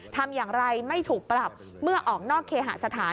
ทำอย่างไรไม่ถูกปรับเมื่อออกนอกเคหาสถาน